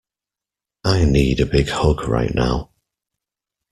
I need a big hug right now.